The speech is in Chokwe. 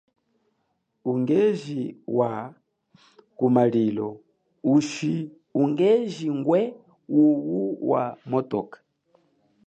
Ungeji wa kumalilu ushi ungeji ngwe wuwu wa motoka.